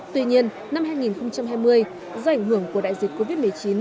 tuy nhiên năm hai nghìn hai mươi do ảnh hưởng của đại dịch covid một mươi chín